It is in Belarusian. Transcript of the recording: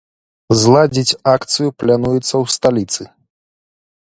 Зладзіць акцыю плануецца ў сталіцы.